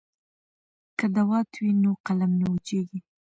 که دوات وي نو قلم نه وچیږي.